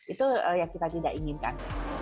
itu yang kita tidak inginkan